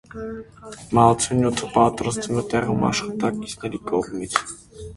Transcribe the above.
Մահացու նյութը պատրաստվում է տեղում՝ աշխատակիցների կողմից։